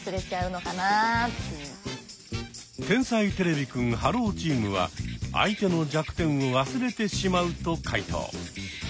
天才てれびくんｈｅｌｌｏ，チームは「相手の弱点を忘れてしまう」と解答。